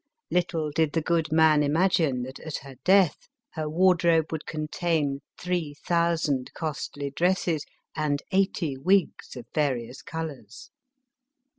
Little did the good man imagine that, at her death, her wardrobe would contain three thousand costly dresses and eighty wigs of various colors.